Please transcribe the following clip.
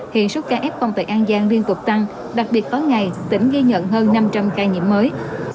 hiện số ca f tại an giang liên tục tăng đặc biệt có ngày tỉnh ghi nhận hơn năm trăm linh ca nhiễm mới